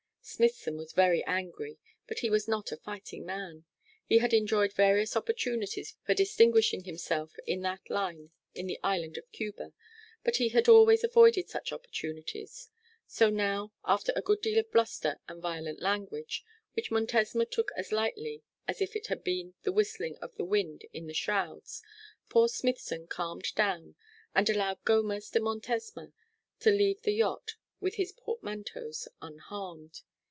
Smithson was very angry, but he was not a fighting man. He had enjoyed various opportunities for distinguishing himself in that line in the island of Cuba; but he had always avoided such opportunities. So now, after a good deal of bluster and violent language, which Montesma took as lightly as if it had been the whistling of the wind in the shrouds, poor Smithson calmed down, and allowed Gomez de Montesma to leave the yacht, with his portmanteaux, unharmed.